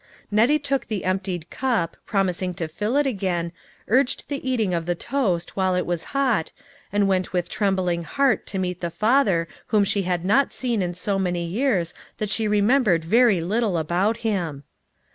Nettie took the emptied cup, promising to fill it again, urged the eating of the toast while it was hot, and went with trembling heart to meet the father whom she had not seen in so many years that she remembered very little about him.